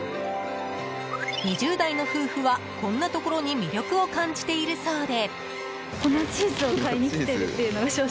２０代の夫婦は、こんなところに魅力を感じているそうで。